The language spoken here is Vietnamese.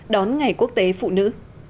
đón ngày quốc tế phụ nữ